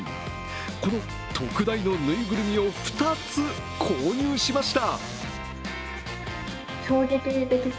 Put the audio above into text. この特大のぬいぐるみを２つ購入しました。